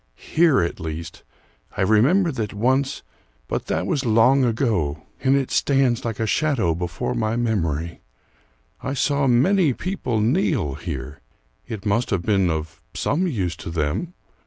"Here at least I remember that once but that was long ago, and it stands like a shadow before my memory I saw many people kneel here: it must have been of some use to them?